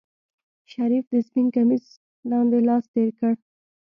شريف د سپين کميس لاندې لاس تېر کړ.